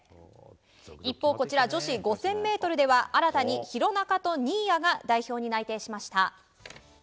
一方、こちら女子５０００ｍでは新たに廣中と新谷が代表に内定しました。